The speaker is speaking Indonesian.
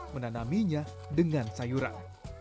menanaminya dengan sayuran